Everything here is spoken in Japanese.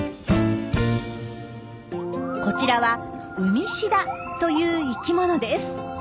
こちらはウミシダという生きものです。